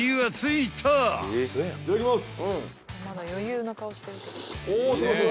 いただきます。